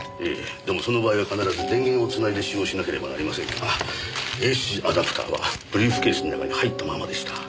でもその場合は必ず電源を繋いで使用しなければなりませんがＡＣアダプターはブリーフケースの中に入ったままでした。